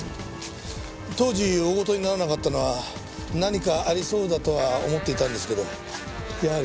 当時大事にならなかったのは何かありそうだとは思っていたんですけどやはり